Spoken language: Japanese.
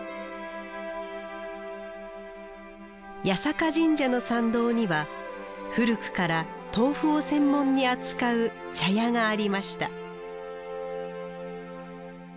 八坂神社の参道には古くから豆腐を専門に扱う茶屋がありました